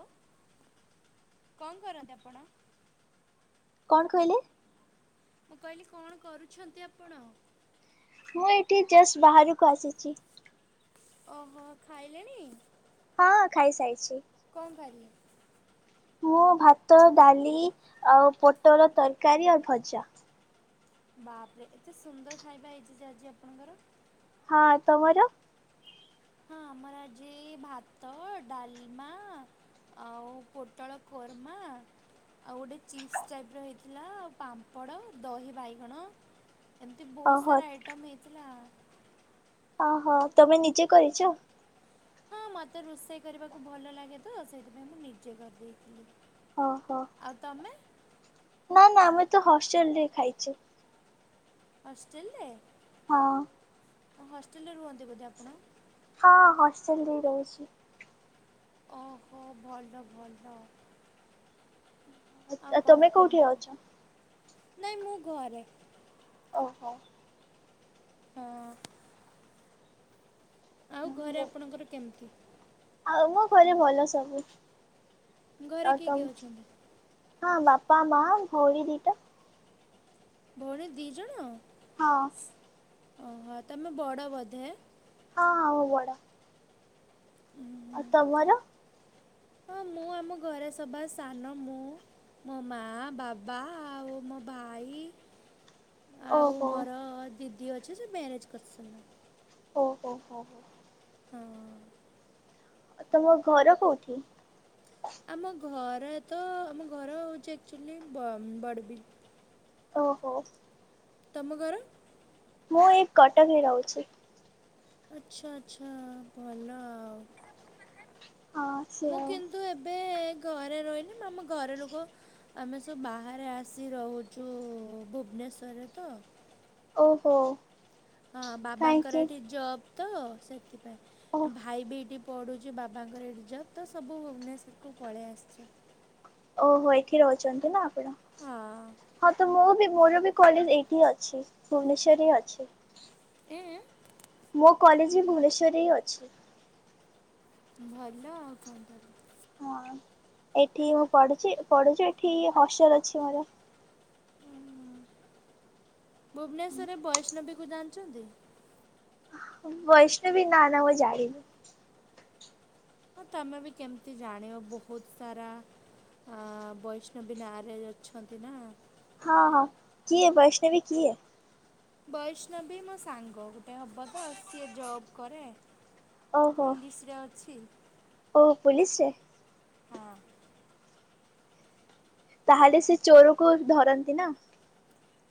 Hello କଣ କରନ୍ତି ଆପଣ? କଣ କହିଲେ? ମୁଁ କହିଲି କଣ କରୁଛନ୍ତି ଆପଣ? ମୁଁ ଏଇଠି ଜଷ୍ଟ ବାହାରକୁ ଆସିଛି। ଓହୋ ଖାଇଲେଣି? ହଁ ଖାଇସାରିଛି। କଣ ଖାଇଲେ? ମୁଁ ଭାତ ଡାଲି ଆଉ ପୋଟଳ ତରକାରୀ ଆଉ ଭଜା। ବାପରେ ଏତେ ସୁନ୍ଦର ଖାଇବା ହେଇଛି ଯେ ଆଜି ଆପଣଙ୍କର? ହଁ ତମର? ହଁ ଆମର ଯେ ଭାତ ଡାଲିମା ଆଉ ପୋଟଳ କୋର୍ମା ଆଉ ଗୋଟେ ଚିପ୍ସ ଟାଇପ ର ହେଇଥିଲା ଆଉ ପାମ୍ପଡ଼ ଦହି ବାଇଗଣ ଏମିତି ବହୁତ ଓହୋ ସାରା ଆଇଟମ ହେଇଥିଲା। ଓହୋ ତମେ ନିଜେ କରିଛ? ହଁ ମତେ ରୋଷେଇ କରିବାକୁ ଭଲ ଲାଗେ ତ ସେଇଥିପାଇଁ ମୁଁ ନିଜେ କରିଦେଇଥିଲି। ଓହୋ। ଆଉ ତମେ? ନା ନା ଆମେ ତ ହଷ୍ଟେଲ ରେ ଖାଇଛୁ। ହଷ୍ଟେଲ ରେ। ହଁ। ହ ହଷ୍ଟେଲରେ ରୁହନ୍ତି ବୋଧେ ଆପଣ? ହଁ ହଷ୍ଟେଲ ରେ ହିଁ ରହୁଛି। ଓହୋ ଭଲ ଭଲ ଆଉ କଣ ତମେ କୋଉଠି କୁହନ୍ତୁ ରହୁଛ? ନାଇଁ ମୁଁ ଘରେ। ଓହୋ। ହଁ। ଆଉ ଘରେ ଆପଣଙ୍କର କେମିତି? ଆଉ ମୋ ଘରେ ଭଲ ସବୁ ଘରେ ତ କିଏ କିଏ ତମ ଅଛନ୍ତି? ହଁ ବାପା ମା ଭଉଣୀ ଦିଟା। ଭଉଣୀ ଦୁଇଜଣ? ହଁ। ଓହୋ ତମେ ବଡ଼ ବୋଧେ? ହଁ ହଁ ମୁଁ ବଡ। ହୁଁ। ଆଉ ତମର? ହଁ ମୁଁ ଆମ ଘରେ ସବା ସାନ ମୁଁ ମୋ ମା ବାବା ଆଉ ମୋ ଭାଇ ଆଉ ଓହୋ ମୋର ଦିଦି ଅଛି ସେ ମ୍ୟାରେଜ୍ କରିଛନ୍ତି। ଓହୋ ହୋ ହୋ। ହଁ ତମ ଘର କୋଉଠି? ଆମ ଘରେ ତ ଆମ ଘର ହେଉଛି ଆକ୍ଚୁଆଲି ବ ବଡ଼ବ ଓହୋ ତମ ଘର? ମୁଁ ଏଇ କଟକ ରେ ରହୁଛି। ଆଚ୍ଛା ଆଚ୍ଛା ଭଲ ଆଉ। ହଁ ସେଆଉ। ତୁ ଏବେ ଘରେ ରହିଲି ଆମ ଘରେ ଲୋକ ଆମେ ସବୁ ବାହାରେ ଆସି ରହୁଛୁ ଭୁବନେଶ୍ୱରରେ ତ। ଓହୋ ହଁ ବାବାଙ୍କର କାହିଁକି ଏଠି ଜବ୍ ତ ଓ ସେଥିପାଇଁ ଭାଇ ବି ଏଠି ପଡ଼ୁଛି ବାବାଙ୍କର ରିଜର୍ଭ ତ ସବୁ ଭୁବନେଶ୍ୱରକୁ ପଳେଇ ଆସିଛୁ। ଓହୋ ଏଠି ରହୁଛନ୍ତି ନା ଆପଣ? ହଁ ହଁ ତ ମୁଁ ବି ମୋର ବି କଲେଜ ଏଇଠି ଅଛି ଭୁବନେଶ୍ଵର ହିଁ ଅଛି। ଏଁ ମୋ କଲେଜ ବି ଭୁବନେଶ୍ୱରରେ ହି ଅଛି। ଭଲ ଆଉ କଣ ହଁ ଏଠି ମୁଁ ପଢୁଛି ପଢୁଛି ଏଠି ହସଲ ଅଛି ମୋର। ଭୁବନେଶ୍ୱରରେ ବୈଷ୍ଣବୀକୁ ଜାଣିଛନ୍ତି। ବୈଷ୍ଣୁବି ନା ନା ମୁଁ ଜାଣିନି। ହଁ ତମେ ବି କେମିତି ଜାଣିବ ବହୁତ ସାରା ବୈଷ୍ଣବୀ ନାଁରେ ଜଉ ଅଛନ୍ତି ନା। ହଁ ହଁ କିଏ ବୈଷ୍ଣବୀ କିଏ? ବୈଷ୍ଣବୀ ମୋ ସାଙ୍ଗ ଗୋଟେ ହବ ତ ସିଏ ଜବ୍ କରେ। ପୁଲିସରେ ଅଛି। ଓ ପୁଲିସ ରେ। ହଁ ତାହେଲେ ସେ ଚୋରକୁ ଧରନ୍ତି ନା।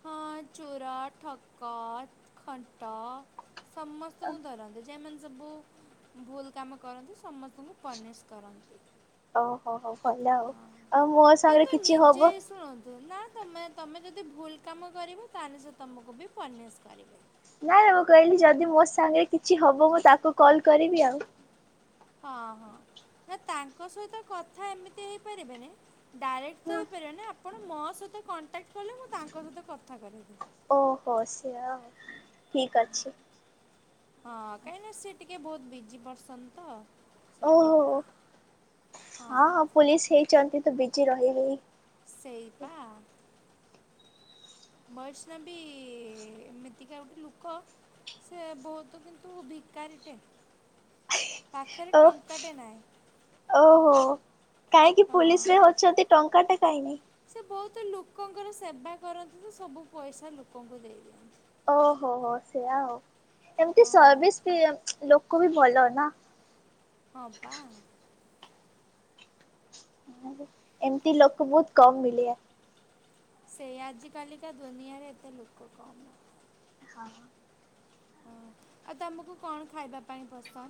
ହଁ ଚୋର ଠକ ଖଣ୍ଟ ସମସ୍ତ ଙ୍କୁ ଧରନ୍ତି। ଯେମାନେ ସବୁ ଭୁଲ କାମ କରନ୍ତି ସମସ୍ତଙ୍କୁ ପନିଶ କରନ୍ତି। ଓହୋ ହୋ ଭଲ। ଆଉ ହଁ ଆଉ ମୋ ସାଙ୍ଗରେ କିନ୍ତୁ କିଛି ହବ ନିଜେ ଶୁଣନ୍ତୁ ନା ତମେ ତମେ ଯଦି ଭୁଲ କାମ କରିବ ତାହେଲେ ସେ ତୁମକୁ ବି ପନିଶ କରିବେ। ନାଇଁ ନାଇଁ ମୁଁ କହିଲି ଯଦି ମୋ ସାଙ୍ଗରେ କିଛି ହବ ମୁଁ ତାକୁ କଲ୍ କରିବି ଆଉ। ହଁ ହଁ ନା ତାଙ୍କ ସହିତ କଥା ଏମିତି ହେଇପାରିବେନି। ଡାଇରେକ୍ଟ ହଁ ତ ହେଇପାରିବେନି ଆପଣ ମୋ ସହିତ କଣ୍ଟାକ୍ଟ କଲେ ମୁଁ ତାଙ୍କ ସହିତ କଥା କରେଇଦେବି। ଓହୋ ସେୟା ଆଉ ଠିକ୍ ଅଛି। ହଁ କାହିଁକିନା ସି ଟିକେ ବହୁତ ବିଜି ପରସନ୍ ତ। ଓହୋ ସେଥିପାଇଁ ହଁ। ପୋଲିସ ହେଇଛନ୍ତି ତ ବିଜି ରହିବେ। ସେଇପା। ବୈଷ୍ଣବୀ ବି ଏମିତିକା ଗୋଟେ ଲୁକ। ସେ ବହୁତ କିନ୍ତୁ ଭିକାରୀଟେ। ପାଖରେ ଓ ଟଙ୍କାଟେ ନାଁଇ ଓହୋ ପୋଲିସ ରେ ହଁ। ଅଛନ୍ତି ଟଙ୍କାଟେ କାହିଁକି ସେ ବହୁତ ଲୋକଙ୍କର ସେବା କରନ୍ତି ତ ସବୁ ପଇସା ଲୋକଙ୍କୁ ଦେଇଦିଅନ୍ତି। ଓହୋ ହୋ ସେୟା ହଉ ଏମିତି ହଁ ସର୍ଭିସ୍ ବି ଲୋକ ବି ଭଲ ନା। ହଁ ପା ଏମିତି ଲୋକ ବହୁତ କମ ମିଳେଆ। ସେଇୟା ଆଜ କାଲିକା ଦୁନିଆରେ ଏତେ ଲୋକ କମ୍। ହଁ ହଁ ଆଉ ତମକୁ କଣ ଖାଇବା ପାଇଁ ପସନ୍ଦ।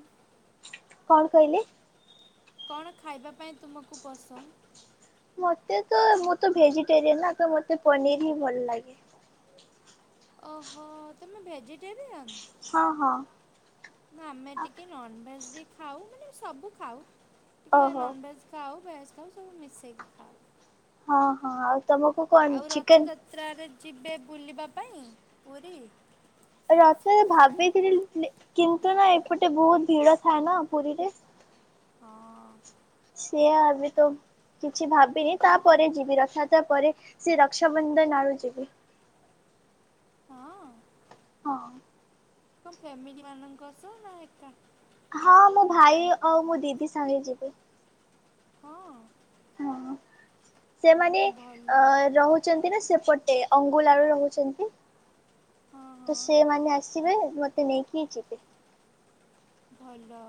କଣ କହିଲେ। କଣ ଖାଇବା ପାଇଁ ତୁମକୁ ପସନ୍ଦ। ମତେ ତ ମୁଁ ତ ଭେଜିଟେରିୟନ ଆ ତ ମତେ ପନିର ହି ଭଲ ଲାଗେ। ଓ ହୋ ତମେ ଭେଜିଟେରିଆନ ହଁ ହଁ ନା ଆମେ ଟିକେ ନଭେଜ ବି ଖାଉ ମାନେ ସବୁ ଖାଉ ଟିକେ ଓହୋ ନଭେଜ ଖାଉ ବ୍ୟାସ୍ ଖାଉ ସବୁ ମିଶେଇ ଖାଉ ହଁ ହଁ ଆଉ ତମ ଆଉ ରଥଯାତ୍ରାରେ ଯିବେ ବୁଲିବା ପାଇଁ ପୁରୀ ରଥରେ ଭାବିଥିଲି କିନ୍ତୁ ନା ଏପଟେ ବହୁତ ଭିଡ ଥାଏ ନା ପୁରୀରେ ହଁ ସେୟା ଆବି ତ କିଛି ଭାବିନି ତାପରେ ଯିବି ରଥଯାତ୍ରା ପରେ ସେ ରକ୍ଷାବନ୍ଧନ ଆଉ ଯିବି। ହଁ। ହଁ। କଣ ଫ୍ୟାମିଲି ମାନଙ୍କ ସହ ନା ଏକା। ହଁ ମୁଁ ଭାଇ ଆଉ ମୋ ଦିଦି ସାଙ୍ଗେ ଯିବି। ହଁ। ହଁ ସେମାନେ ଅ ଭଲ ରହୁ ଚନ୍ତି ନା ସେପଟେ ଅଙ୍ଗୁଲ ଆଡେ ରହୁଚନ୍ତି। ହଁ ତ ହଁ ସେମାନେ ଆସିବେ ମତେ ନେଇକି ହି ଯିବେ। ଭଲ।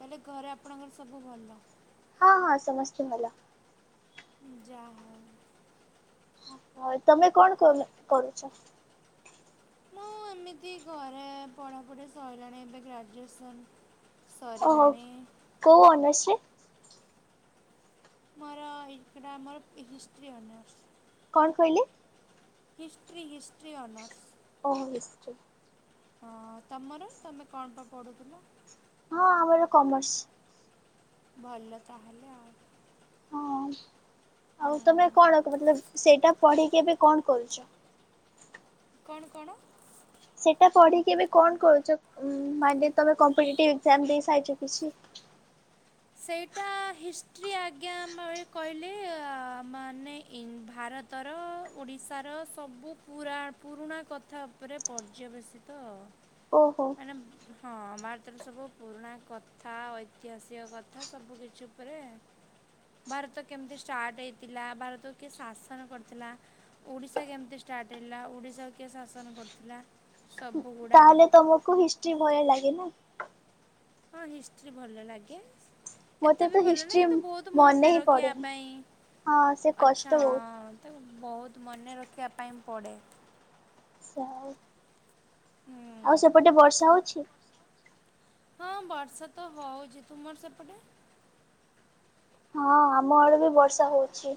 ତାହିଲେ ଘରେ ଆପଣଙ୍କର ସବୁ ଭଲ। ହଁ ହଁ ସମସ୍ତେ ଭଲ। ଯାହଉ। ହଁ ତମେ କଣ କର କରୁଛ? ମୁଁ ଏମିତି ଘରେ ପଢାପଡି ସଇଲାଣି ଏବେ ଗ୍ରାଜୁଏସନ୍। ସରିିଲାଣି। କଉ ଓନର୍ସିପ୍? ମୋର ଏଇଟା ମୋର ହିଷ୍ଟ୍ରି ଅନର୍ସ। କଣ କହିଲେ? History history honours. ଓହୋ ହିଷ୍ଟ୍ରି ହଁ ତମର ତମେ କଣ ତ ପଢୁଥିଲ। ହଁ ଆମର କମର୍ସ। ଭଲ ତାହେଲେ ଆଉ। ହଁ ଆଉ ତମେ ହୁଁ କଣ ଭଲ ସେଇଟା ପଢିକି ଏବେ କଣ କରୁଚ? କଣ କଣ? ସେଇଟା ପଢୀକି ବି କଣ କରୁଚ ମାନେ ତୁମେ କମ୍ପିଟେଟିଭ୍ ଏକ୍ଜାମ ଦେଇସାରିଛ କିଛି? ସେଇଟା ହିଷ୍ଟ୍ରି ଆଜ୍ଞା ଆମେ କହିଲେ ମାନେ ଇନ୍ ଭାରତ ଉତ୍ତର ଓଡ଼ିଶାର ସବୁ ପୁରା ପୁରୁଣା କଥା ଉପରେ ପର୍ଯ୍ୟବେସିତ ଆଉ। ଓହୋ। ହଁ ଭାରତରେ ସବୁ ପୁରୁଣା କଥା ଐତିହାସିକ କଥା। କଥା ସବୁ କିଛି ଉପରେ ଭାରତ କେମିତି ଷ୍ଟାର୍ଟ ହେଇଥିଲା ଭାରତକୁ କିଏ ଶାସନ କରିଥିଲା। ଓଡ଼ିଶା କେମିତି ଷ୍ଟାର୍ଟ ହେଲା ଓଡ଼ିଶାକୁ କିଏ ଶାସନ କରୁଥିଲା? ସବୁଗୁଡ଼ ତାହେଲେ ତମକୁ ହିଷ୍ଟ୍ରି ଭୟ ଲାଗେ ନା। ହଁ ହିଷ୍ଟ୍ରି ଭଲ ଲାଗେ। ଏତେ ମତେ ତ ବି ଭଲ ନାଇ ହିଷ୍ଟ୍ରି କିନ୍ତୁ ବହୁତ ମନେ ହିଁ ରଖିବା ପଡେନି ପାଇଁ ହଁ ସେ କଷ୍ଟ ଆଛା। ତାକୁ ବହୁତ ମନେ ରଖିବା ପାଇଁ ପଡ଼େ। ସାର। ହୁଁ ଆଉ ସେପଟେ ବର୍ଷା ହଉଚି। ହଁ ବର୍ଷା ତ ହଉଚି, ତୁମର ସେପଟେ? ହଁ ଆମ ଆଡେ ବି ବର୍ଷା ହଉଚି।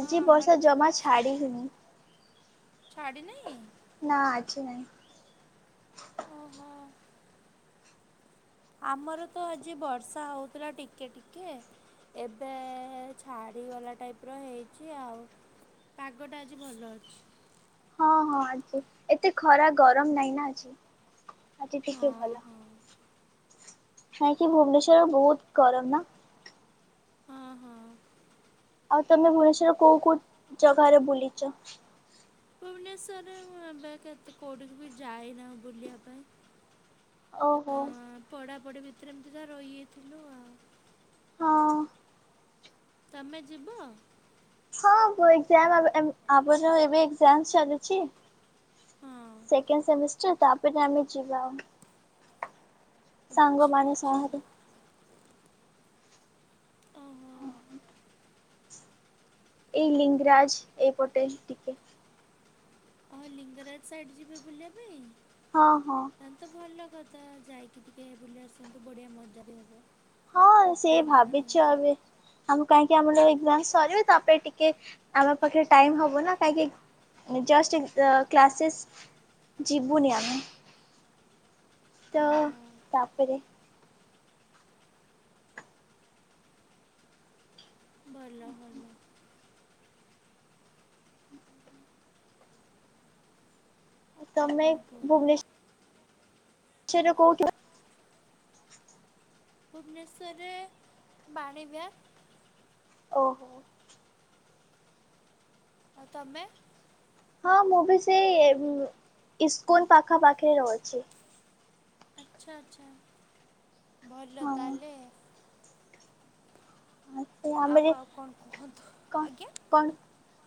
ହଁ ଆମର ବର୍ଷା ବି ଜମା ବର୍ଷା ଛାଡ଼ି ହିଁ ନି। ଛାଡ଼ିିନି? ନା ଆଜି ନାହିଁ। ଓହୋ। ଆମର ତ ଆଜି ବର୍ଷା ହଉଥିଲା ଟିକେ ଟିକେ। ଏବେ ଛାଡ଼ିଗଲା ଟାଇପର ହେଇଚି ଆଉ। ପାଗଟା ଆଜି ଭଲ ଅଛି। ହଁ, ହଁ ଆଜି ଏତେ ଖରା ଗରମ ନାଇଁ ନା ଆଜି। ଆଜି ଟିକ ହଁ ଭଲ ହଁ କାଇଁକି ଭୁବନେଶ୍ୱର ବହୁତ ଗରମ ନା। ହଁ, ହଁ। ଆଉ ତମେ ଭୁବନେଶ୍ବର ରେ କୋଉ କୋଉ ଜାଗାରେ ବୁଲିଛ? ଭୁବନେଶ୍ବର ରେ ମୁ ଏବେ କେତେ କଉଠିକି ବି ଯାଇନାଉ ବୁଲିବା ପାଇଁ। ଓହୋ। ପଢା ପଢ଼ି ଭିତରେ ଏମିତି ତ ରହିଯାଇଥିଲୁ ଆଉ। ହଁ। ତମେ ଯିବ? ହଁ ଆମ ଏକ୍ସାମ ଆମର ଏବେ ଏକ୍ସାମ ଚାଲିଛି। ହଁ ସେକେଣ୍ଡ ସେମିଷ୍ଟର ତାପରେ ଆମେ ଯିବା ଆଉ। ଆଚ୍ଛା ସାଙ୍ଗମାନେ ଆଚ୍ଛା ସହରେ [unintelligible] ଏହି ଲିଙ୍ଗରାଜ ଏପଟେ ଟିକେ। ଓହ ଲିଙ୍ଗରାଜ ସାଇଡ଼ ଯିବେ ବୁଲିବା ପାଇଁ? ହଁ ହଁ। ତାହେଲେ ତ ଭଲ କଥା ଯାଇକି ଟିକେ ବୁଲି ଆସନ୍ତୁ ବଢିଆ ମଜା ବି ହବ। ହଁ ସେ ଭାବିଛୁ ଏବେ ଆମ କାହିଁକି ଆମର ଏକ୍ସାମ ସରିବେ ତାପ ଟିକେ ଆମ ପାଖରେ ଟାଇମ ହବ ନା କାହିଁକି ଜଷ୍ଟ ଅ କ୍ଲାସେସ୍ ଯିିବୁନି ଆମେ। ତ ଓହୋ ତାପରେ ଭଲ ଭଲ। ଆଉ ତମେ କଣ କୁହନ୍ତୁ? ଭୁବନେଶ୍ବ ସେଟା କୋଉଠି? [unintelligible] ଭୁବନେଶ୍ୱରରେ ବାଣୀବିହାର। ଓହୋ। ଆଉ ତମେ? ହଁ ମୁଁ ବି ସେଇ ଇସକନ ପାଖା ପାଖି ରହୁଛି। ଆଚ୍ଛା ଆଚ୍ଛା ଭଲ ତାହେଲେ। ହଁ ମୁଁ ଆଉ ଅମରି ଆଉ କଣ କୁହନ୍ତୁ? କଣ ଆଜ୍ଞା। କଣ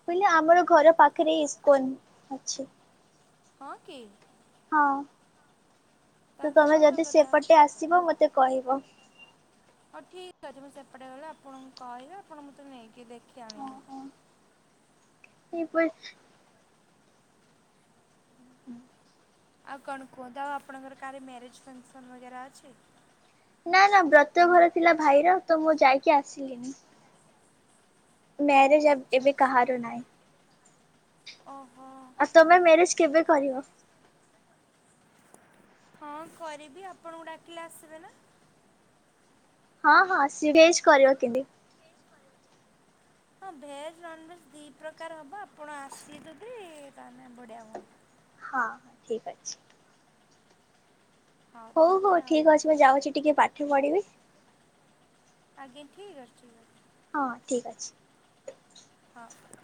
କହିଲି ଆମର ଘର ପାଖରେ ଇସକନ ଅଛି। ହଁ କି ହଁ ତ ତାହେଲେ ତମେ ଭଲ ଯଦି କଥା ସେପଟେ ଆସିବ ମତେ କହିବ। ହଉ ଠିକ ଅଛି ମୁଁ ସେପଟେ ଗଲେ ଆପଣଙ୍କୁ କହିବି ଆପଣ ମଁତେ ନେଇକି ଦେଖି ଆଣିବେ। ଏପଟେ [unintelligible] ଆଉ କଣ କୁହନ୍ତୁ ଆପଣଙ୍କର କାହରି ମ୍ୟାରେଜ ଫଙ୍କସନ ବଗେରା ଅଛି? ନା ନା ବ୍ରତ ଘର ଥିଲା ଭାଇର ତ ମୁଁ ଯାଇକି ଆସିଲିନି। ମ୍ୟାରେଜ ଅ ଆଚ୍ଛା ଏବେ ଆଚ୍ଛା କାହାରୁ ନାହି। ଓହୋ। ତମେ ମ୍ୟାରେଜ କେବେ କରିବ? ହଁ କରିବି ଆପଣଙ୍କୁ ଡାକିଲେ ଆସିବେ ନା? ହଁ ହଁ ସି [unintelligible] ହଁ ଭେଜ୍ ନନ୍ଭେଜ୍ ଦୁଇ ପ୍ରକାର ହବ ଆପଣ ଆସିବେ ଯଦି ତାହେଲେ ବଢ଼ିଆ ହୁଅନ୍ତା। ହଁ ହଁ ଠିକ ଅଛି। ହଉ ତାହେଲେ ହଉ ଆଉ ଠିକ୍ ଅଛି ମୁଁ ଯାଉଚି ଟିକେ ପାଠ ପଢିବି। ଆଜ୍ଞା ଠିକ୍ ଅଛି। ଅଛି ହଁ ଠିକ୍ ଅଛି। ହଁ।